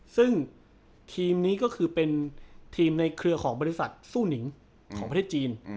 ซึ่งทีมนี้ก็คือเป็นทีมในเครือของบริษัทสู้หนิงของประเทศจีน